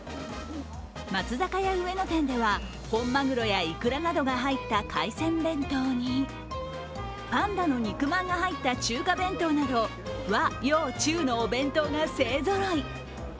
松坂屋上野店では本まぐろやいくらなどが入った海鮮弁当にパンダの肉まんが入った中華弁当など、和洋中のお弁当が勢ぞろい。